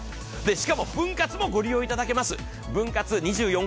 しかも分割もご利用いただけます。